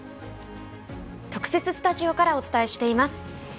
特設スタジオからお伝えしています。